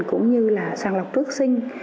cũng như là sàng lọc bước sinh